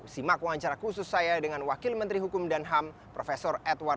simak wawancara khusus saya dengan wakil menteri hukum dan ham prof edward